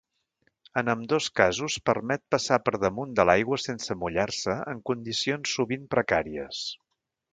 En ambdós casos permet passar per damunt de l'aigua sense mullar-se en condicions sovint precàries.